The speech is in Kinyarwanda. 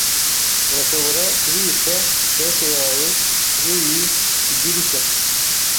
Urashobora kubitsa cheque yawe kuriyi idirishya.